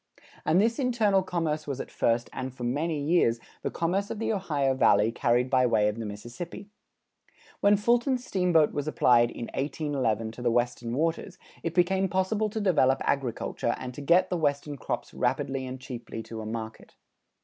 And this internal commerce was at first, and for many years, the commerce of the Ohio Valley carried by way of the Mississippi. When Fulton's steamboat was applied in 1811 to the Western Waters, it became possible to develop agriculture and to get the Western crops rapidly and cheaply to a market.